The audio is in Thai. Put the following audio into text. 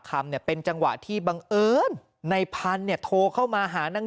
คำเนี่ยเป็นจังหวะที่บังเอิญในพันธุ์เนี่ยโทรเข้ามาหานาง